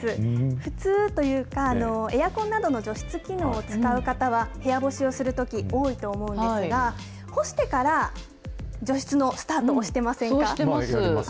普通というか、エアコンなどの除湿機能を使う方は、部屋干しをするとき、多いと思うんですが、干してから除湿のスタート押してませんか？